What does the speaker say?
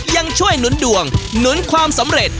ยังช่วยหนุนดวงหนุนความสำเร็จ